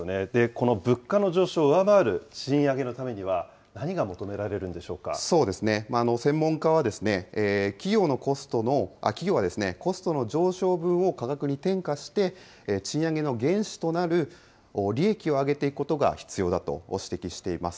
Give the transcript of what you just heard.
この物価の上昇を上回る賃上げのためには、専門家は、企業はコストの上昇分を価格に転嫁して、賃上げの原資となる利益を上げていくことが必要だと指摘しています。